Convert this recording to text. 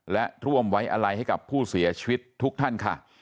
และร่วมไว้อะไรให้กับผู้เสียชีวิตทุกท่านค่ะ